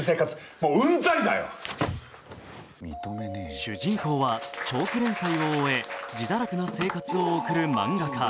主人公は長期連載を終え、じだらくな生活を送る漫画家。